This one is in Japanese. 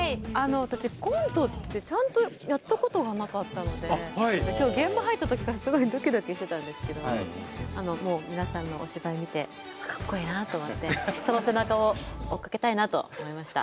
私コントってちゃんとやったことがなかったので今日現場入ったときからすごいどきどきしてたんですけどもう皆さんのお芝居見てかっこいいなと思ってその背中を追っかけたいなと思いました。